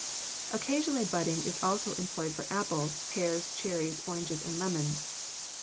Occasionally budding is also employed for apples, pears, cherries, oranges, and lemons.